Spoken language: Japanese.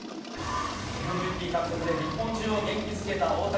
ＭＶＰ獲得で日本中を元気づけた大谷。